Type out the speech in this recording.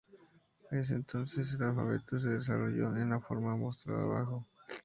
En ese entonces, el alfabeto se desarrolló en la forma mostrada abajo.